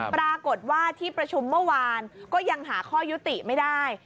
ปรากฏว่าที่ประชุมเมื่อวานก็ยังหาข้อยุติไม่ได้